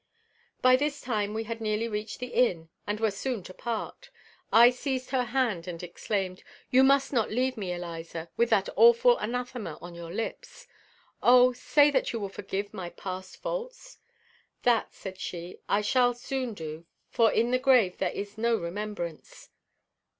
By this time we had nearly reached the inn, and were soon to part. I seized her hand, and exclaimed, "You must not leave me, Eliza, with that awful anathema on your lips. O, say that you will forget my past faults." "That," said she, "I shall soon do; for in the grave there is no remembrance."